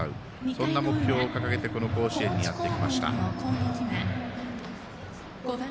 そんな目標を掲げてこの甲子園にやってきました。